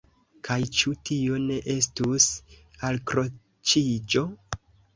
Kaj ĉu tio ne estus alkroĉiĝo?